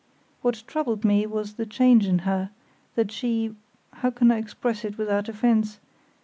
What troubled me was the change in her; that she—how can I express it without offence?